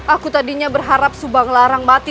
aku tadinya berharap subang larang mati